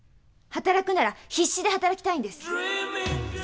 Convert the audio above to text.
働くなら必死で働きたいんです！